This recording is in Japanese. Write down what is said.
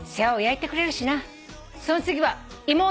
「その次は妹。